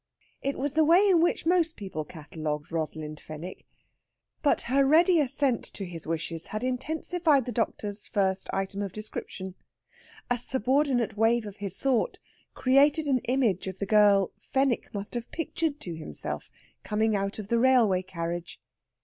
It was the way in which most people catalogued Rosalind Fenwick. But her ready assent to his wishes had intensified the doctor's first item of description. A subordinate wave of his thought created an image of the girl Fenwick must have pictured to himself coming out of the railway carriage.